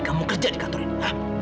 kamu kerja di kantor ini